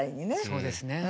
そうですね。